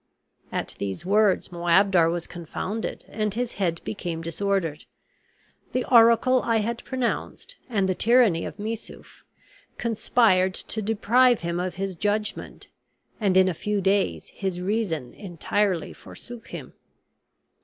At these words Moabdar was confounded and his head became disordered. The oracle I had pronounced, and the tyranny of Missouf, conspired to deprive him of his judgment, and in a few days his reason entirely forsook him.